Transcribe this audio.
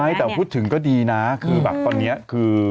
แต่พูดถึงก็ดีนะคือแบบตอนนี้คือ